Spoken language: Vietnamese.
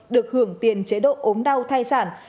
được hưởng tiền chế độ ốm đau thai sản